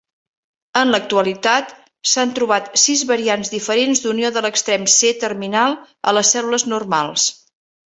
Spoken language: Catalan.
En l'actualitat, s'han trobat sis variants diferents d'unió de l'extrem C terminal a les cèl·lules normals.